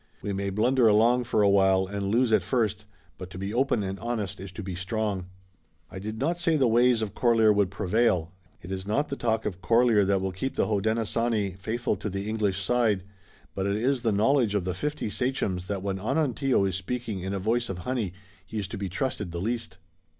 We may blunder along for a while and lose at first, but to be open and honest is to be strong." "I did not say the ways of Corlear would prevail. It is not the talk of Corlear that will keep the Hodenosaunee faithful to the English side, but it is the knowledge of the fifty sachems that when Onontio is speaking in a voice of honey he is to be trusted the least."